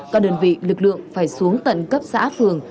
các đơn vị lực lượng phải xuống tận cấp xã phường